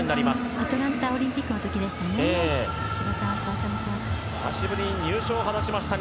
アトランタオリンピックの時でしたね。